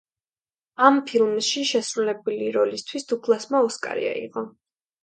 ამ ფილმში შესრულებული როლისთვის დუგლასმა ოსკარი აიღო.